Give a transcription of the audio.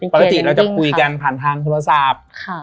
ปกติเราจะคุยกันผ่านทางโทรศัพท์